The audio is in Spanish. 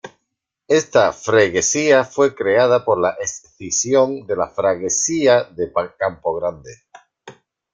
Esta freguesia fue creada por la escisión de la freguesía de Campo Grande.